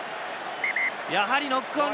やはりノックオン。